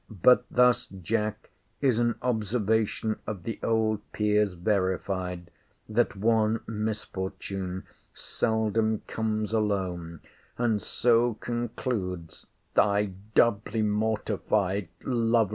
But thus, Jack, is an observation of the old Peer's verified, that one misfortune seldom comes alone: and so concludes Thy doubly mortified LOVELACE.